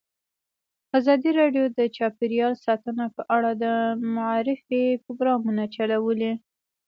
ازادي راډیو د چاپیریال ساتنه په اړه د معارفې پروګرامونه چلولي.